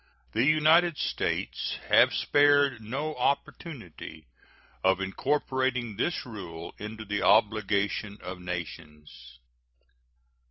The United States have spared no opportunity of incorporating this rule into the obligation of nations.